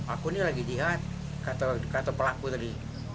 aku ini lagi lihat kata pelaku tadi